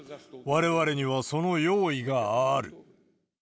われわれにはその用意がある。